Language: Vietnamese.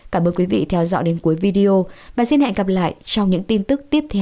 cảm ơn quý vị theo dõi đến cuối video và xin hẹn gặp lại trong những tin tức tiếp theo